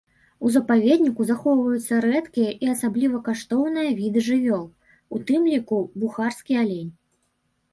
У запаведніку захоўваюцца рэдкія і асабліва каштоўныя віды жывёл, у тым ліку бухарскі алень.